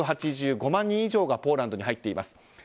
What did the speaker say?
１８５万人以上がポーランドに入っています。